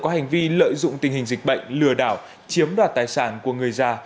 có hành vi lợi dụng tình hình dịch bệnh lừa đảo chiếm đoạt tài sản của người già